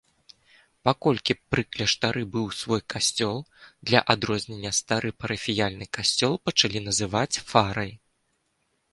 Паколькі пры кляштары быў свой касцёл, для адрознення стары парафіяльны касцёл пачалі называць фарай.